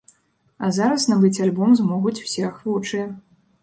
А зараз набыць альбом змогуць усе ахвочыя.